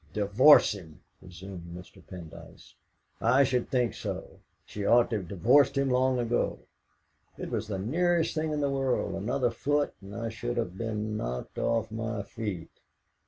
"Divorce him!" resumed Mr. Pendyce "I should think so! She ought to have divorced him long ago. It was the nearest thing in the world; another foot and I should have been knocked off my feet!"